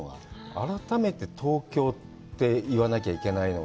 改めて“東京”って言わなきゃいけないところが。